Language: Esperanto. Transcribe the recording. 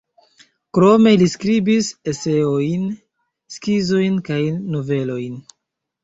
Krome li skribis eseojn, skizojn kaj novelojn.